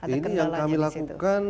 ini yang kami lakukan